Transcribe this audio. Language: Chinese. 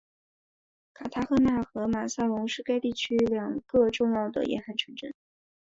卡塔赫纳和马萨龙是该区两个重要的沿海城镇。